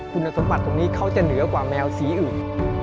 คุณสมบัติตรงนี้เขาจะเหนือกว่าแมวสีอื่น